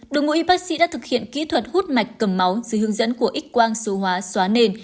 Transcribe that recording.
đội ngũ y bác sĩ đã thực hiện kỹ thuật hút mạch cầm máu dưới hướng dẫn của x quang số hóa xóa nền